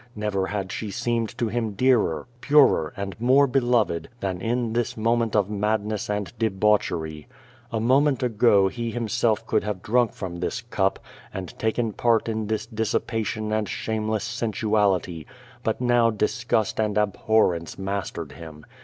Never had she seemed to him dearer, purer and more beloved than in this moment of madness and debauchery. A moment ago he himself could have drunk from this cup, and taken part in this dissipation and shameless sensuality, but now disgust and abhorrence mastered him.